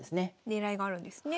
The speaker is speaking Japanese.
狙いがあるんですね。